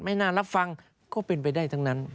น่ารับฟังก็เป็นไปได้ทั้งนั้น